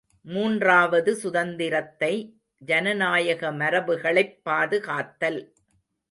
மூன்றாவது சுதந்திரத்தை ஜனநாயக மரபுகளைப் பாதுகாத்தல்.